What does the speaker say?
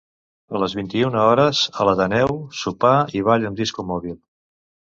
A les vint-i-una hores, a l'Ateneu, sopar i ball amb disco mòbil.